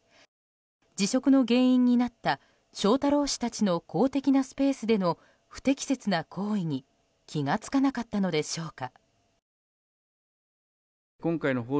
辞職の原因になった翔太郎氏たちの公的なスペースでの不適切な行為に気がつかなかったのでしょうか。